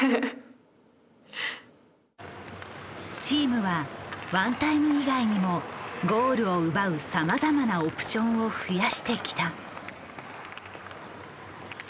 チームはワンタイム以外にもゴールを奪うさまざまなオプションを増やしてきた。